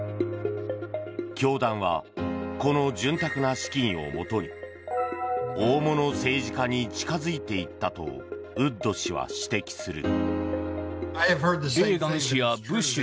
教団はこの潤沢な資金をもとに大物政治家に近づいていったとウッド氏は指摘する。